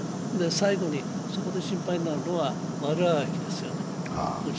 最後に、そこで心配になるのはプーチンさんの悪あがきですよね。